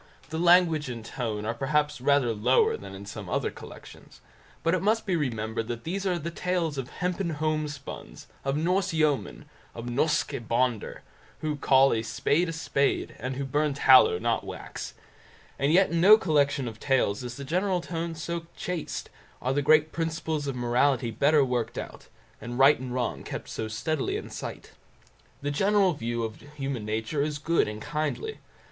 The language and tone are perhaps rather lower than in some other collections, but it must be remembered that these are the tales of "hempen homespuns", of Norse yeomen, of Norske Bonder, who call a spade a spade, and who burn tallow, not wax; and yet in no collection of tales is the general tone so chaste, are the great principles of morality better worked out, and right and wrong kept so steadily in sight. The general view of human nature is good and kindly.